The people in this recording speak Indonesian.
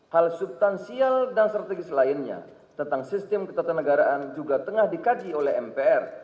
hal subtansial dan strategis lainnya tentang sistem ketatanegaraan juga tengah dikaji oleh mpr